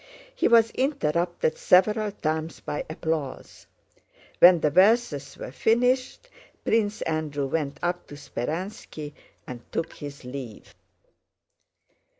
He was interrupted several times by applause. When the verses were finished Prince Andrew went up to Speránski and took his leave.